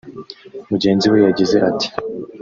Mugenzi we n yagize ati